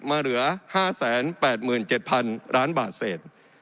มาเหลือ๕๘๗๐๐๐ล้านบาทเสร็จ